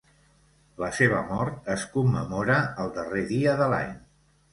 La seva mort es commemora el darrer dia de l'any.